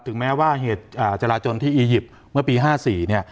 แม้ว่าเหตุจราจนที่อียิปต์เมื่อปี๕๔เนี่ย